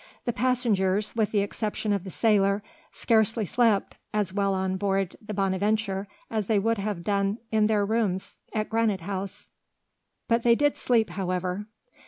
The passengers, with the exception of the sailor, scarcely slept as well on board the Bonadventure as they would have done in their rooms at Granite House, but they did sleep however.